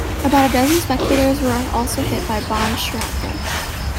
About a dozen spectators were also hit by bomb shrapnel.